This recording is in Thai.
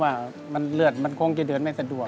ว่าเลือดมันคงจะเดินไม่สะดวก